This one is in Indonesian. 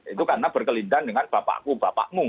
itu karena berkelindahan dengan bapakku bapakmu